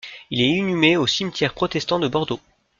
Il est inhumé au cimetière protestant de Bordeaux.